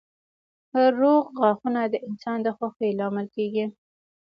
روغ غاښونه د انسان د خوښۍ لامل کېږي.